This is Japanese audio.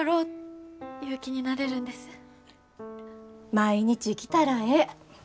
毎日来たらええ。